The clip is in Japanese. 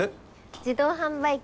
自動販売機。